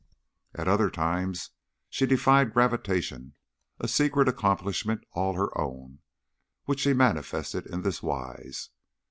At other times she defied gravitation, a secret accomplishment all her own, which she manifested in this wise.